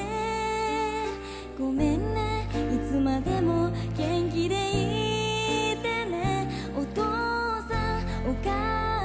いつまでも元気でいてねお父さんお母さん